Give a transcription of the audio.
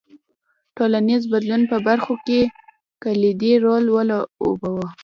ټولنیز بدلون په برخو کې کلیدي رول ولوباوه.